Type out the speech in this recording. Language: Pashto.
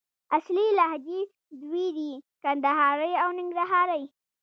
اصلي لهجې دوې دي: کندهارۍ او ننګرهارۍ